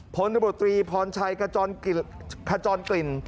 พตรพรชัยขจรกลิ่น